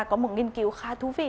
có một nghiên cứu khá thú vị